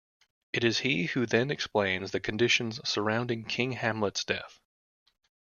It is he who then explains the conditions surrounding King Hamlet's death.